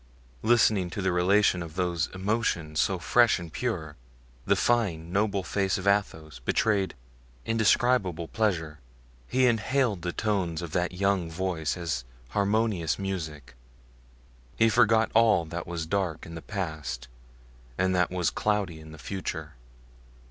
Listening to the relation of those emotions so fresh and pure, the fine, noble face of Athos betrayed indescribable pleasure; he inhaled the tones of that young voice, as harmonious music. He forgot all that was dark in the past and that was cloudy in the future.